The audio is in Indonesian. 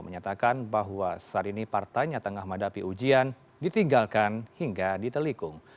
menyatakan bahwa saat ini partainya tengah menghadapi ujian ditinggalkan hingga ditelikung